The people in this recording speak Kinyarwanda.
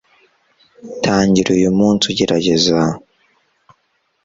Tangira uyu munsi ugerageza